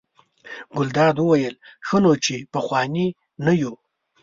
ګلداد وویل: ښه نو چې پخواني نه یو.